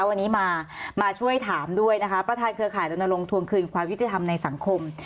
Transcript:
วันนี้มามาช่วยถามด้วยนะคะประธานเครือข่ายรณรงค์ทวงคืนความยุติธรรมในสังคม